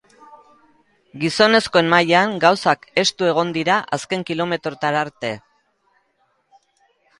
Gizonezkoen mailan, gauzak estu egon dira azken kilometroetara arte.